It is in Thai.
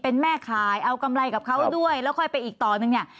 เป็นแม่ขายเอากำไรกับเขาด้วยแล้วค่อยไปอีกต่อนึงเนี่ย